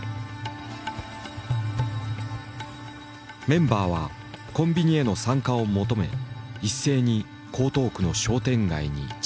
メンバーはコンビニへの参加を求め一斉に江東区の商店街に散った。